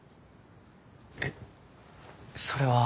えっそれは？